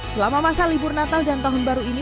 selama masa libur natal dan tahun baru ini